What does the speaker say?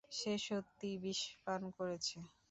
সে সত্যিই বিষপান করেছে।